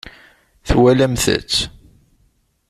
Twalamt-t?